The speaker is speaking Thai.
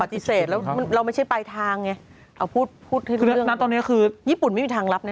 แต่เหยียบแผ่นดินไม่ได้